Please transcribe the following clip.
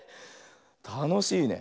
たのしいね。